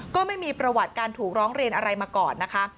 ก็ไม่มีประวัติการถูกร้องเรียนอะไรมาก่อนนะคะ